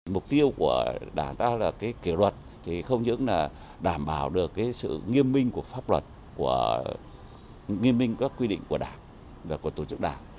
mục tiêu của đảng ta là kỷ luật không chỉ là đảm bảo được sự nghiêm minh của pháp luật nghiêm minh các quy định của đảng của tổ chức đảng